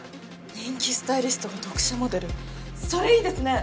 人気スタイリストが読者モデルそれいいですね！